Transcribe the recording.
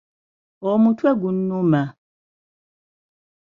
Omutwe gunnuma